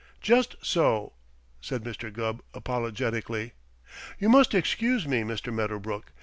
"Just so," said Mr. Gubb apologetically. "You must excuse me, Mr. Medderbrook.